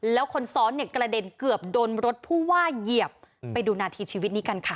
แล้วคนซ้อนเนี่ยกระเด็นเกือบโดนรถผู้ว่าเหยียบไปดูนาทีชีวิตนี้กันค่ะ